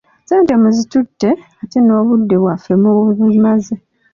Ssente muzitutte, ate n'obudde bwaffe mubumaze.